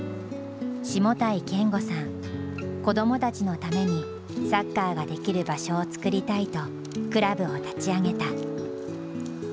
子どもたちのためにサッカーができる場所を作りたいとクラブを立ち上げた。